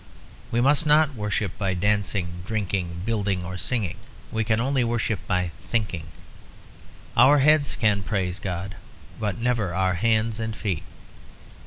We must not worship by dancing, drinking, building or singing; we can only worship by thinking. Our heads can praise God, but never our hands and feet.